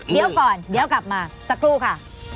เดี๋ยวก่อนเดี๋ยวกลับมาสักครู่ค่ะ